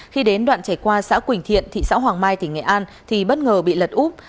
khi đến đoạn chảy qua xã quỳnh thiện thị xã hoàng mai tỉnh nghệ an thì bất ngờ bị lật úp